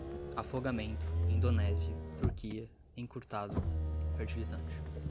afogamento, Indonésia, Turquia, encurtado, fertilizante